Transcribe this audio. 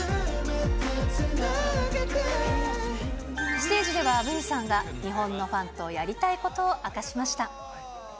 ステージではＶさんが、日本のファンとやりたいことを明かしました。